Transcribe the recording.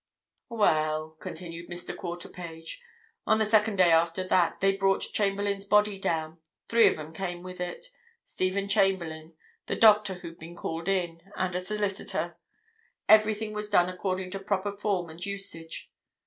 "Well," continued Mr. Quarterpage, "on the second day after that, they brought Chamberlayne's body down. Three of 'em came with it—Stephen Chamberlayne, the doctor who'd been called in, and a solicitor. Everything was done according to proper form and usage.